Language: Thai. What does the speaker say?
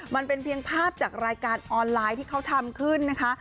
มันเป็นเพียงภาพจากรายการออนไลน์ที่เขาทำขึ้นนะคะ